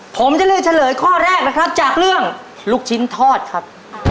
ผมจะเลือกเฉลยข้อแรกนะครับจากเรื่องลูกชิ้นทอดครับ